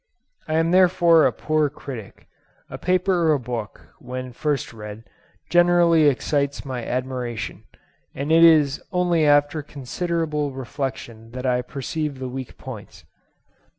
I am therefore a poor critic: a paper or book, when first read, generally excites my admiration, and it is only after considerable reflection that I perceive the weak points.